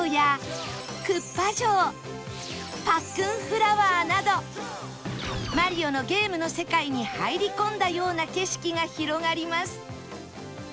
入り口のなど『マリオ』のゲームの世界に入り込んだような景色が広がります